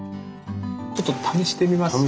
ちょっと試してみませんか？